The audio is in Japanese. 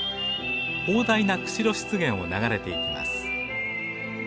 広大な釧路湿原を流れていきます。